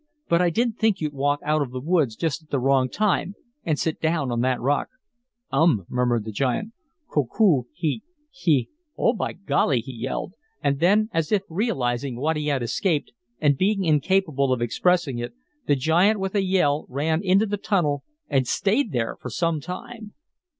"But I didn't think you'd walk out of the woods, just at the wrong time, and sit down on that rock." "Um," murmured the giant. "Koku he he Oh, by golly!" he yelled. And then, as if realizing what he had escaped, and being incapable of expressing it, the giant with a yell ran into the tunnel and stayed there for some time.